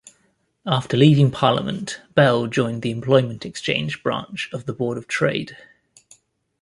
After leaving Parliament, Bell joined the Employment Exchange branch of the Board of Trade.